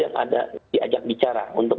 yang ada diajak bicara untuk